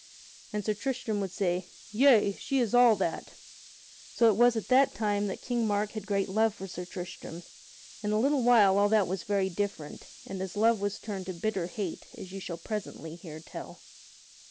And Sir Tristram would say, "Yea, she is all that." So it was at that time that King Mark had great love for Sir Tristram; in a little while all that was very different, and his love was turned to bitter hate, as you shall presently hear tell.